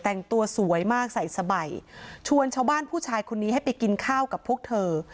แต่งตัวสวยมากใส่สบายชวนชาวบ้านผู้ชายคนนี้ให้ไปกินข้าวกับพวกเธอ